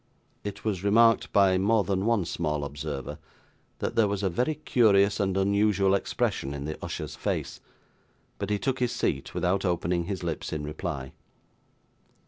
It was remarked by more than one small observer, that there was a very curious and unusual expression in the usher's face; but he took his seat, without opening his lips in reply.